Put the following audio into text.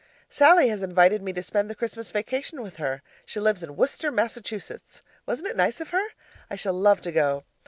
Sallie has invited me to spend the Christmas vacation with her. She lives in Worcester, Massachusetts. Wasn't it nice of her? I shall love to go.